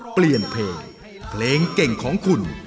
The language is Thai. เปลี่ยนเพลงเพลงเก่งของคุณ